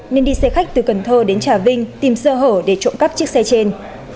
nên đi xe khách từ cần thơ đến trà vinh tìm sơ hở để trộm cắp chiếc xe trên